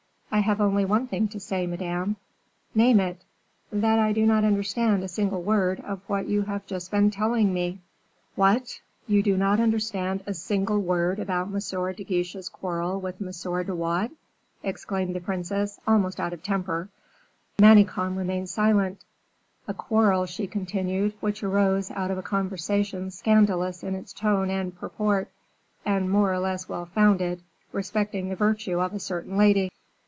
"I have only one thing to say, Madame." "Name it!" "That I do not understand a single word of what you have just been telling me." "What! you do not understand a single word about M. de Guiche's quarrel with M. de Wardes," exclaimed the princess, almost out of temper. Manicamp remained silent. "A quarrel," she continued, "which arose out of a conversation scandalous in its tone and purport, and more or less well founded, respecting the virtue of a certain lady."